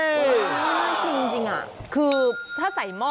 น่าขึ้นจริงคือถ้าใส่หม้อ